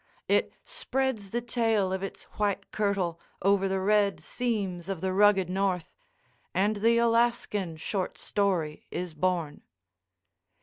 It spreads the tail of its white kirtle over the red seams of the rugged north—and the Alaskan short story is born.